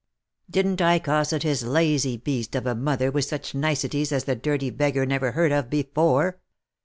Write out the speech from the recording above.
Didn't I cosset his lazy beast of a mother with such niceties as the dirty beggar never heard of before